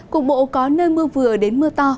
cục bộ có nơi mưa vừa đến mưa to